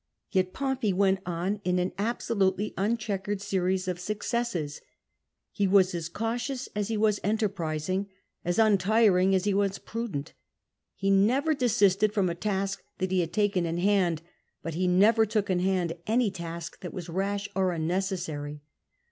Yet Pompey went on in an absolutely unchequered series of successes. He was as cautious as he was enterprising, as untiring as he was prudent. He never desisted from a task that ho had taken in hand, but he never took in hand any task that was rash or unnecessary.